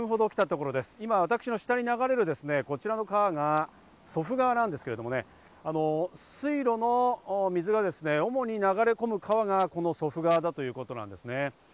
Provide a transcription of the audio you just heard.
自宅から１０分ほど来たところで私の下に流れるこちらの川が祖父川なんですが、水道の水がですね、主に流れ込む川がこのそ祖父川だということなんですね。